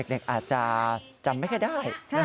เด็กอาจจะจำไม่ได้